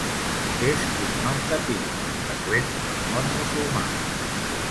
És un nom de pila, freqüent al món musulmà.